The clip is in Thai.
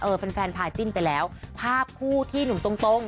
แฟนแฟนพาจิ้นไปแล้วภาพคู่ที่หนุ่มตรงตรง